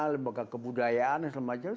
lembaga kebudayaan dan semacamnya